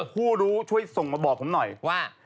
ผู้รู้ช่วยส่งมาบอกผมหน่อยว่า